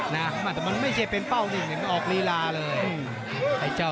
นะแต่มันไม่ใช่เป็นเป้านี่เห็นออกลีลาเลย